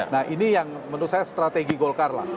nah ini yang menurut saya strategi golkar lah